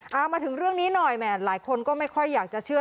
เอามาถึงเรื่องนี้หน่อยแหมหลายคนก็ไม่ค่อยอยากจะเชื่อ